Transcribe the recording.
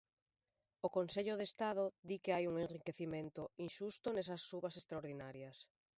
O Consello de Estado di que hai un enriquecemento inxusto nesas subas extraordinarias.